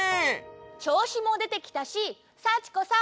ちょうしもでてきたし幸子さん。